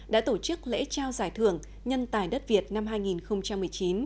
đã tổ chức lễ trao giải thưởng nhân tài đất việt năm hai nghìn một mươi chín